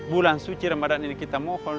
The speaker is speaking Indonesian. bulan suci ramadan ini kita mohon